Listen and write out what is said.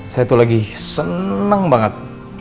saya tuh lagi seneng banget